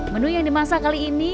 menu yang dimasak kali ini